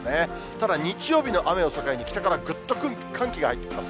ただ、日曜日の雨を境に北からぐっと寒気が入ってきます。